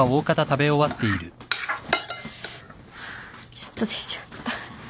ちょっと出ちゃった。